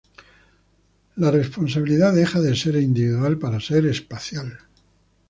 La responsabilidad deja de ser individual para ser espacial.